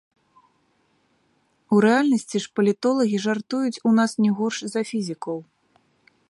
У рэальнасці ж палітолагі жартуюць у нас не горш за фізікаў.